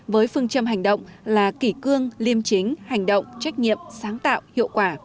với phương châm hành động là kỷ cương liêm chính hành động trách nhiệm sáng tạo hiệu quả